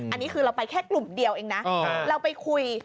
อันนี้คือเราไปแค่กลุ่มเดียวเองนะเราไปคุย